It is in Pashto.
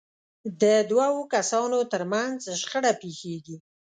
د دوو کسانو ترمنځ شخړه پېښېږي.